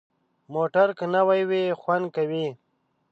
موټر که نوي وي، خوند کوي.